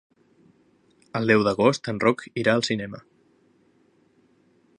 El deu d'agost en Roc irà al cinema.